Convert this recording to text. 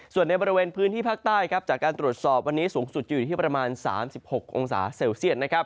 ส่วนในบริเวณพื้นที่ภาคใต้จากการตรวจสอบวันนี้สูงสุดจะอยู่ที่ประมาณ๓๖องศาเซลเซียต